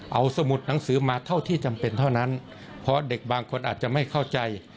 เอาสมุดหนังสือมาเท่าที่จำเป็นเท่านั้นเพราะเด็กบางคนอาจจะไม่เข้าใจ